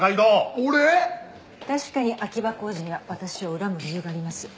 確かに秋葉浩二には私を恨む理由があります。